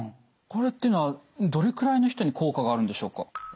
これっていうのはどれくらいの人に効果があるんでしょうか？